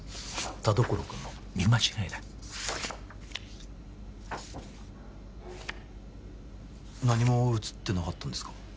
田所君の見間違いだ何も写ってなかったんですか？